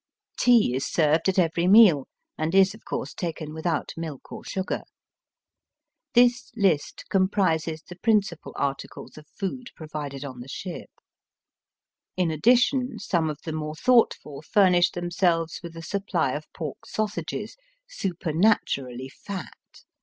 Tea is served at every meal, and is of course taken without milk or sugar. Digitized by VjOOQIC THE HEATHEN CHINEE. 177 This list comprises the principal articles. of food provided on the ship. In addition some of the more thoughtful furnish themselves with a supply of pork sausages supematurally fat.